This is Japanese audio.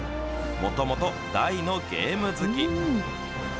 もともと大のゲーム好き。